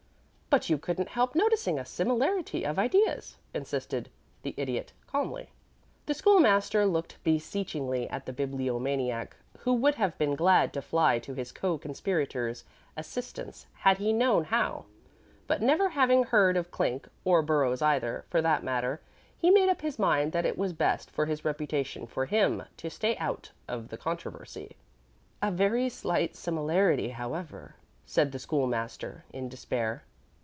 "But you couldn't help noticing a similarity of ideas?" insisted the Idiot, calmly. The School master looked beseechingly at the Bibliomaniac, who would have been glad to fly to his co conspirator's assistance had he known how, but never having heard of Clink, or Burrows either, for that matter, he made up his mind that it was best for his reputation for him to stay out of the controversy. "Very slight similarity, however," said the School master, in despair.